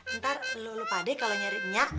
eh ntar lo lupa deh kalau nyari nya